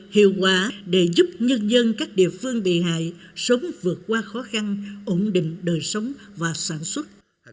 hiệu quả để giúp nhân dân các địa phương bị hại sớm vượt qua khó khăn ổn định đời sống và sản xuất